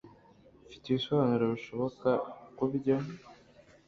Mfite ibisobanuro bishoboka kubyo.